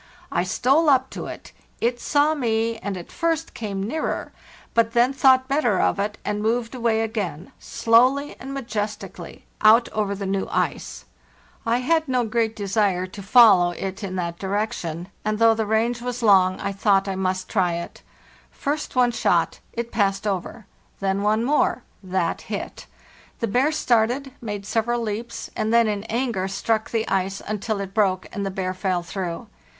I stole up to it; it saw me and at first came nearer, but then thought better of it, and moved away again, slowly and majestically, out over the new ice. I had no great de 422 HARTHEST NORTE, sire to follow it in that direction, and though the range was long I thought I must try it. First one shot; it passed over, Then one more; that hit. ~The bear started, made several leaps, and then in anger struck the ice until it broke, and the bear fell through.